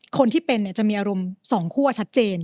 คนที่เป็นจะมีอารมณ์๒คั่วชัดเจน